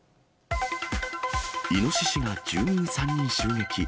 イノシシが住民３人襲撃。